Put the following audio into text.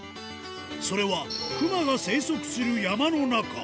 それは熊が生息する山の中。